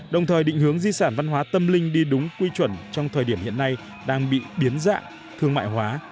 đồng thời định hướng di sản văn hóa tâm linh đi đúng quy chuẩn trong thời điểm hiện nay đang bị biến dạng thương mại hóa